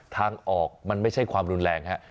ทางออกมันไม่ใช่ความรุนแรงฮะ